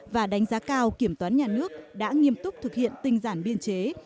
và đánh giá cao kiểm toán nhà nước đã nghiêm túc thực hiện tinh giản biên chế